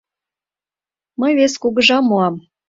Мый вес кугыжам муам.